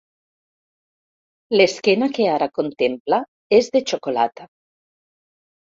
L'esquena que ara contempla és de xocolata.